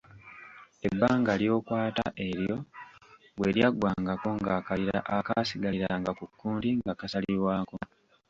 Ebbanga ly’okwota eryo bwe lyaggwangako ng’akalira akaasigaliranga ku kkundi nga kasalibwako.